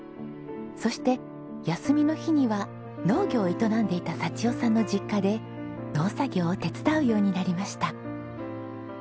そして休みの日には農業を営んでいた幸代さんの実家で農作業を手伝うようになりました。